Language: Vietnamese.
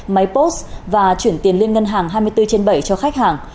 máy post và chuyển tiền liên ngân hàng hai mươi bốn trên bảy cho khách hàng